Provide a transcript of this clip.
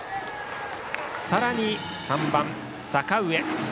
さらに３番、阪上。